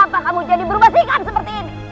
apa kamu jadi berubah singkat seperti ini